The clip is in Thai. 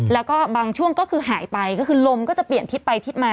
แล้วก็บางช่วงก็คือหายไปก็คือลมก็จะเปลี่ยนทิศไปทิศมา